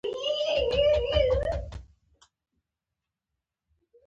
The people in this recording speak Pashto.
دا توکي په یوه ځانګړې برخه کې ګټور وي